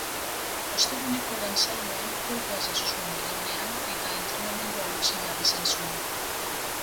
Osteguneko lan-saioan kolpea jaso zuen belaunean eta entrenamendua utzi behar izan zuen.